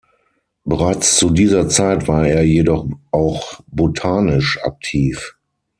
Bereits zu dieser Zeit war er jedoch auch botanisch aktiv.